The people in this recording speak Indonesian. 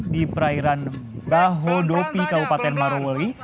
di perairan bahodopi kabupaten marowe